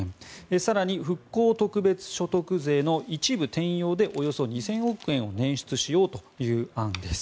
更に復興特別所得税の一部転用でおよそ２０００億円を捻出しようという案です。